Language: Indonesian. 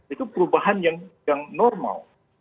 itu perubahan yang normal